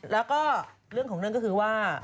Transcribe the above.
แล้วก็บทใหม่ของเรื่องคือว่า